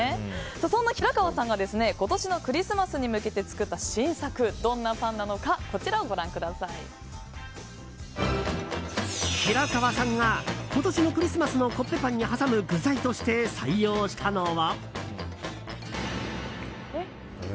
そんな平川さんが今年のクリスマスに向けて作った新作、どんなパンなのか平川さんが今年のクリスマスのコッペパンに挟む具材として採用したのは。